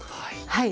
はい。